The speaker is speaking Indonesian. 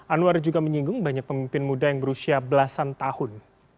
anwar juga menyinggung banyak pemimpin muda yang berusia belasan tahun